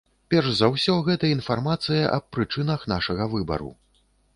Перш за ўсё, гэта інфармацыя аб прычынах нашага выбару.